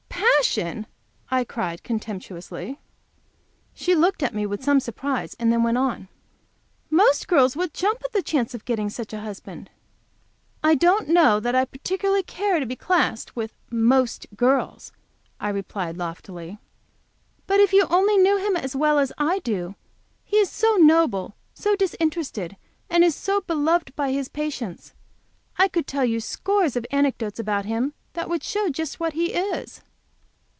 "Passion!" I cried, contemptuously. She looked at me with some surprise, and then went on. "Most girls would jump at the chance of getting such a husband." "I don't know that I particularly care to be classed with 'most girls,'" I replied, loftily. "But if you only knew him as well as I do. He is so noble, so disinterested, and is so beloved by his patients. I could tell you scores of anecdotes about him that would show just what he is."